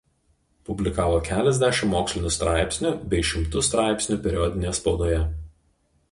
Publikavo keliasdešimt mokslinių straipsnių bei šimtus straipsnių periodinėje spaudoje.